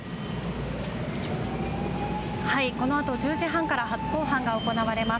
このあと１０時半から初公判が行われます。